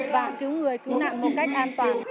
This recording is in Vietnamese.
và cứu người cứu nạn một cách an toàn